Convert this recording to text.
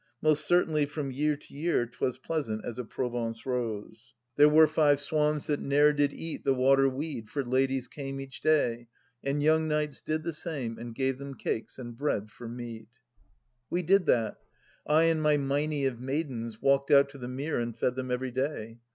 Most certainly, from year to year 'Twos pleasant as a Provence rose. 114 THE LAST DITCH There were five 8 wans that ne'er did eat The water weed, for ladies came Each day, and young knights did the same, And gave them cakes and bread for meat." We did that. I and my Meinie of maidens walked out to the mere and fed them every day.